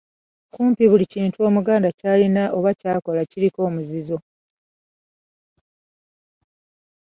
Kumpi buli kintu omuganda ky'alina oba ky'akola kiriko emizizo.